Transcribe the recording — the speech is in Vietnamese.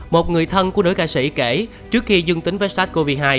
một người thân của nữ ca sĩ kể trước khi dương tính với sars cov hai